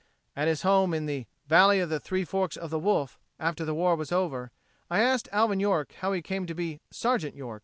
At his home in the "Valley of the Three Forks o' the Wolf," after the war was over, I asked Alvin York how he came to be "Sergeant York."